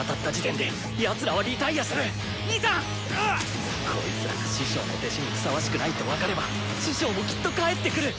心の声こいつらが師匠の弟子にふさわしくないと分かれば師匠もきっと帰ってくる！